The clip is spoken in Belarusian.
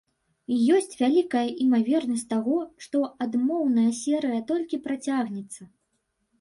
І ёсць вялікая імавернасць таго, што адмоўная серыя толькі працягнецца.